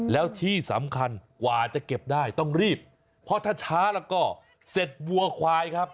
แล้วที่สำคัญกว่าจะเก็บได้ต้องรีบเพราะถ้าช้าแล้วก็เสร็จวัวควายครับ